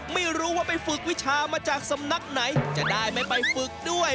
ไม่รู้ว่าไปฝึกวิชามาจากสำนักไหนจะได้ไม่ไปฝึกด้วย